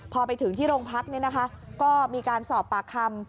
พอไปถึงที่โรงพักก็มีการสอบปากคำ